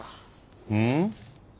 うん？